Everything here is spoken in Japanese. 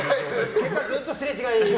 結果、ずっとすれ違い。